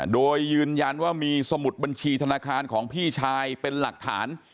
โดยยืนยันว่ามีสมุดบัญชีธนาคารของพี่ชายเป็นหลักฐาน